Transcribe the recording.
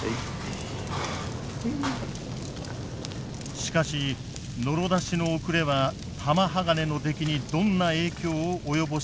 しかしノロ出しの遅れは玉鋼の出来にどんな影響を及ぼしているのか。